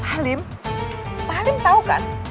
pak halim pak halim tau kan